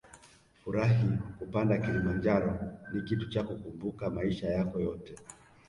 Furahi Kupanda Kilimanjaro ni kitu cha kukumbuka maisha yako yote